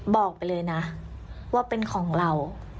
บอกไปเลยนะว่าเป็นของเรา